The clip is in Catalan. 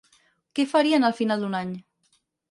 Què farien al final d'un any?